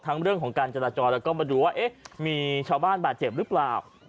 เรื่องของการจราจรแล้วก็มาดูว่าเอ๊ะมีชาวบ้านบาดเจ็บหรือเปล่า